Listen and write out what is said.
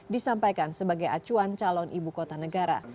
disampaikan sebagai acuan calon ibu kota negara